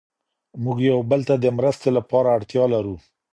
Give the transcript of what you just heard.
موږ یو بل ته د مرستې لپاره اړتیا لرو.